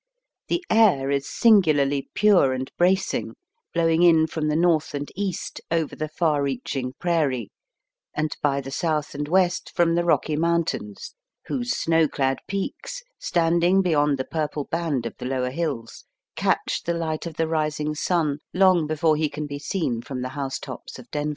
The air is singularly pure and bracing, blowing in from the north and east over the far reaching prairie, and by the south and west from the Eocky Mountains, whose snow clad peaks, standing beyond the purple band of the lower hills, catch the Hght of the rising sun long before he can be seen from the house tops of Denver.